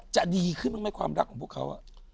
จะดีขึ้นมั้ยความรักของพวกเขา